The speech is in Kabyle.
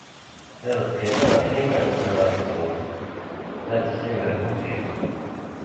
Ad qqimen ɣef yiman-nsen ɣef tmurt, ad d-zzin d aqusis.